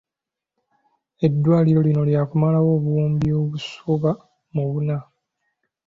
Eddwaliro lino lyakumalawo obuwumbi obusoba mu buna.